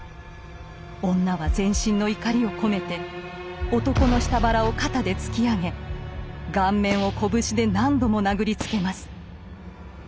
女は全身の怒りを込めて男の下腹を肩で突き上げ顔面を拳で何度も殴りつけます。